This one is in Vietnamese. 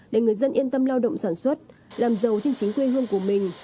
để người dân yên tâm lao động sản xuất làm giàu trên chính quê hương của mình